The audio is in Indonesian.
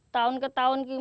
tahun ke tahun ini